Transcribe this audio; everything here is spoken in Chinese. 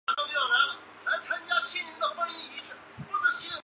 中世纪此地名为锻冶山。